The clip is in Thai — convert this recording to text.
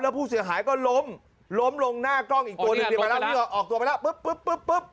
แล้วผู้เสียหายก็ล้มล้มลงหน้ากล้องอีกตัวนึงออกตัวไปแล้วปึ๊บปึ๊บปึ๊บ